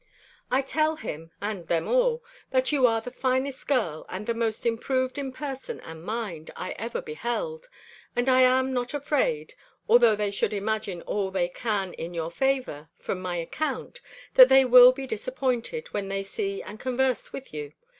I tell him, and them all, that you are the finest girl, and the most improved in person and mind, I ever beheld; and I am not afraid although they should imagine all they can in your favour, from my account, that they will be disappointed when they see and converse with you.